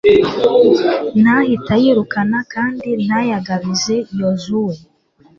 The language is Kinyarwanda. ntahite ayirukana kandi ntayagabize yozuwe